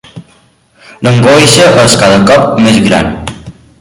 L'angoixa és cada cop més gran.